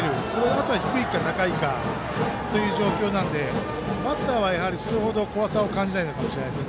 あとは低いか高いかという状況なのでバッターは、それ程怖さを感じないかもしれません。